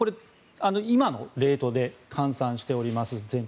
今のレートで換算しております